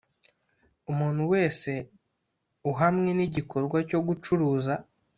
Umuntu wese uhamwe n igikorwa cyo gucuruza